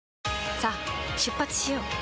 さあ出発しよう。